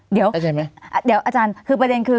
เดี๋ยวอาจารย์คือประเด็นคือ